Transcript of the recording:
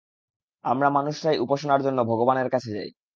আমরা মানুষরাই উপাসনার জন্য ভগবানের কাছে যাই।